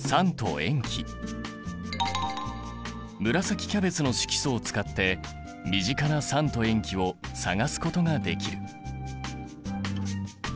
紫キャベツの色素を使って身近な酸と塩基を探すことができる。